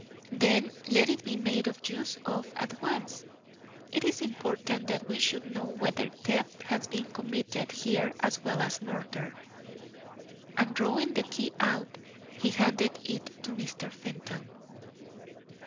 "Then let it be made use of at once. It is important that we should know whether theft has been committed here as well as murder." And drawing the key out, he handed it to Mr. Fenton.